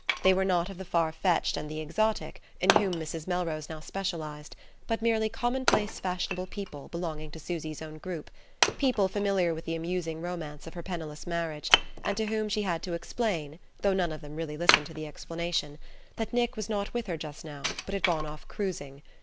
They were not of the far fetched and the exotic, in whom Mrs. Melrose now specialized, but merely commonplace fashionable people belonging to Susy's own group, people familiar with the amusing romance of her penniless marriage, and to whom she had to explain (though none of them really listened to the explanation) that Nick was not with her just now but had gone off cruising...